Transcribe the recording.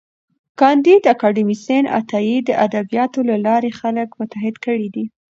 کانديد اکاډميسن عطايي د ادبياتو له لارې خلک متحد کړي دي.